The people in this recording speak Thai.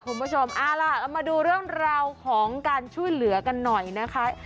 คุณผู้ชมเอาล่ะเรามาดูเรื่องราวของการช่วยเหลือกันหน่อยนะคะ